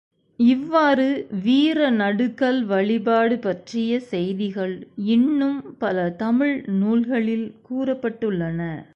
இவ்வாறு வீர நடுகல் வழிபாடு பற்றிய செய்திகள் இன்னும் பல தமிழ் நூல்களில் கூறப்பட்டுள்ளன.